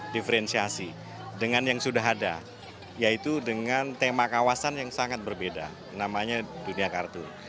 diferensiasi dengan yang sudah ada yaitu dengan tema kawasan yang sangat berbeda namanya dunia kartu